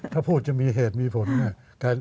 ถ้าพูดจะมีเหตุที่มีผล